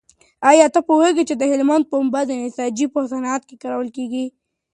ایا ته پوهېږې چې د هلمند پنبه د نساجۍ په صنعت کې کارول کېږي؟